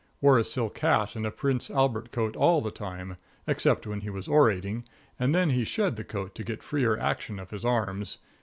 Wore a silk hat and a Prince Albert coat all the time, except when he was orating, and then he shed the coat to get freer action with his arms.